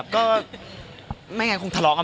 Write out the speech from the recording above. ดูไม่ค่อยครับ